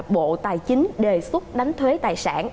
bộ tài chính đề xuất đánh thuế tài sản